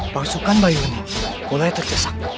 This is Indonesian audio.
pasukan bionic mulai tercesak